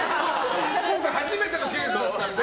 今回初めてのケースだったんで。